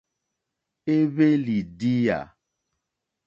Éhwélì díyà.